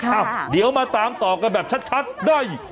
อ่ะเดี๋ยวมาตามต่อกันแบบชัดได้